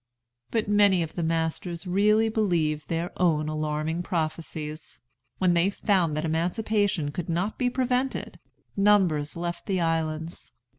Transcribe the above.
But many of the masters really believed their own alarming prophesies. When they found that emancipation could not be prevented, numbers left the islands.